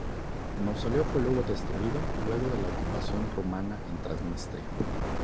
El mausoleo fue luego destruido luego de la ocupación rumana en Transnistria.